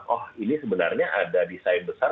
oh ini sebenarnya ada desain besar